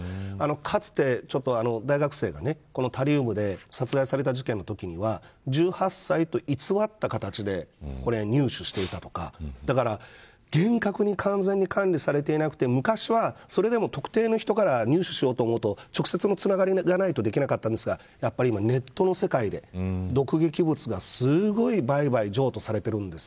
かつて、大学生がタリウムで殺害された事件のときには１８歳と偽った形でこれを入手していたとかだから厳格に完全に管理されていなくて昔はそれでも特定の人から入手しようと思うと直接のつながりがないとできなかったんですが今、ネットの世界で、毒劇物がすごい売買譲渡されてるんです。